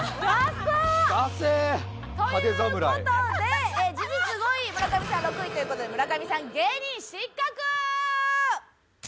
ダセえ！という事で事実５位村上さん６位という事で村上さん芸人失格！